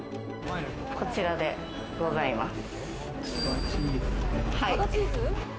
こちらでございます。